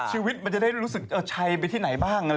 ชีวิตมันจะได้รู้สึกชัยไปที่ไหนบ้าง